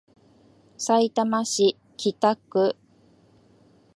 さいたま市北区